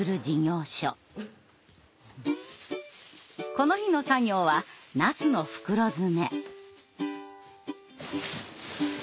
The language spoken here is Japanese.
この日の作業はなすの袋詰め。